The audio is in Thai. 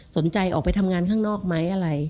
สนใจออกไปทำงานข้างนอกไหมอะไร